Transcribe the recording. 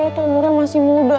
lo tuh umurnya masih muda